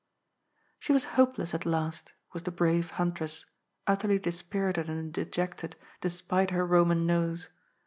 She was hopeless at last, was the brave huntress, utterly dispirited and dejected, despite her Boman nose.